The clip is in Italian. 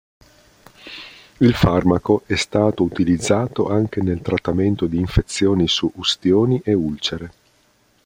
Il farmaco è stato utilizzato anche nel trattamento di infezioni su ustioni e ulcere.